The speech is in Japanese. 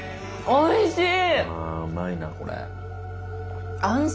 おいしい！